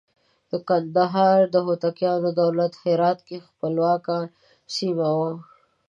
د کندهار د هوتکیانو دولت هرات کې خپلواکه سیمه وه.